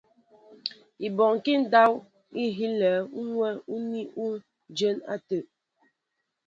Ibɔnkí ndáp i helɛ ukwon úmi ú dyɛ́ɛ́n átə̂.